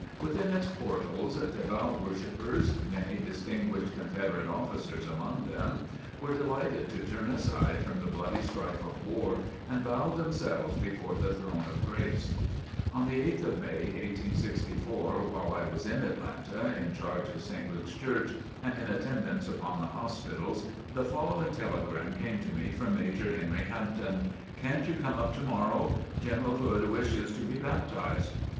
Within its portals devout worshippers, many distinguished Confederate officers among them, were delighted to turn aside from the bloody strife of war and bow themselves before the Throne of Grace. On the 8th of May, 1864, while I was in Atlanta in charge of St. Luke's Church and in attendance upon the hospitals, the following telegram came to me from Major Henry Hampton: "Can't you come up tomorrow? General Hood wishes to be baptized."